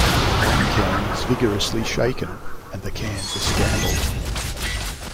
One can is vigorously shaken, and the cans are scrambled.